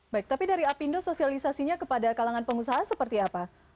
baik tapi dari apindo sosialisasinya kepada kalangan pengusaha seperti apa